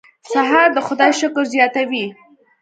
سهار د خدای شکر زیاتوي.